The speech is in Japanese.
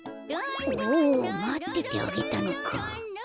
おまっててあげたのか。